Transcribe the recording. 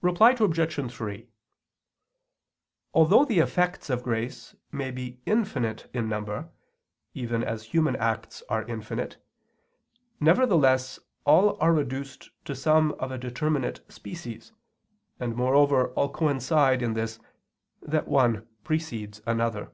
Reply Obj. 3: Although the effects of grace may be infinite in number, even as human acts are infinite, nevertheless all are reduced to some of a determinate species, and moreover all coincide in this that one precedes another.